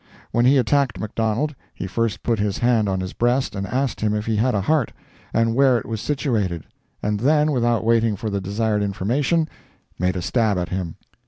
When he attacked McDonald, he first put his hand on his breast and asked him if he had a heart, and where it was situated, and then, without waiting for the desired information, made a stab at him.